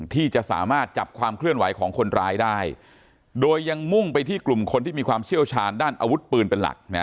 ที่จะสามารถจับความเคลื่อนไหวของคนร้ายได้โดยยังมุ่งไปที่กลุ่มคนที่มีความเชี่ยวชาญด้านอาวุธปืนเป็นหลักนะ